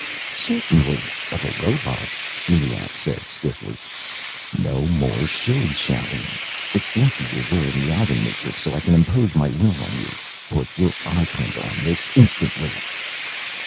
"Certainly, of a robot," ENIAC said stiffly. "No more shilly shallying. It's lucky you are wearing the Ivan matrix, so I can impose my will on you. Put your eyeprint on this. Instantly!"